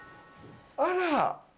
あら！